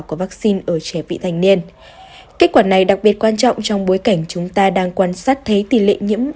cách quả này đặc biệt quan trọng trong bối cảnh chúng ta đang quan sát thấy tỷ lệ nhiễm